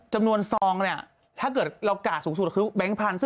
จำนวนซองนี่ถ้าเกิดเรากะสูงสุดคือแบงค์พันธุ์